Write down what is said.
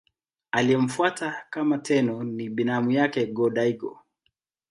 Aliyemfuata kama Tenno ni binamu yake Go-Daigo.